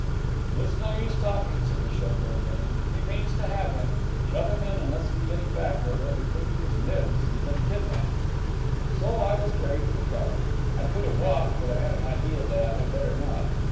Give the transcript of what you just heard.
'It's no use talking,' said the chauffeur, grinning. 'He means to have him. Shove him in, and let's be getting back, or they'll be thinking His Nibs has been kidnapped.' So I was carried to the car. I could have walked, but I had an idea that I had better not.